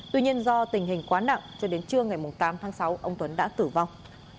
tuy nhiên do tình hình quá nặng cho đến trưa ngày tám tháng sáu ông tuấn đã tử vong